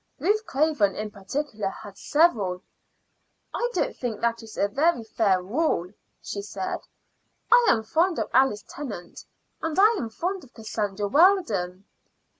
Ruth Craven in particular had several. "I don't think that is a very fair rule," she said. "I am fond of Alice Tennant, and I am fond of Cassandra Weldon."